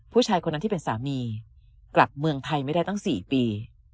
ผู้ชายคนนั้นที่เป็นสามีกลับเมืองไทยไม่ได้ตั้ง๔ปี